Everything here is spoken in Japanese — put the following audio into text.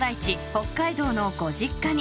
北海道のご実家に］